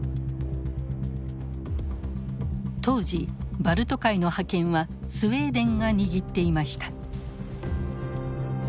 当時バルト海の覇権はスウェーデンが握っていました。